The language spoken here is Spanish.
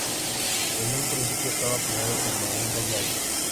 En un principio, estaba planeado como un doble álbum.